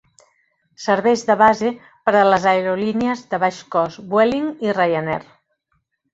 Serveix de base per a les aerolínies de baix cost Vueling i Ryanair.